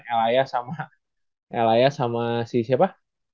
elaya sama si siapa